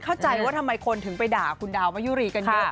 เข้าใจว่าทำไมคนถึงไปด่าคุณดาวมะยุรีกันเยอะ